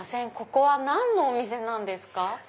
ここは何のお店なんですか？